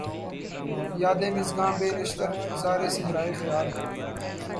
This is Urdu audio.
یادِ مژگاں بہ نشتر زارِ صحراۓ خیال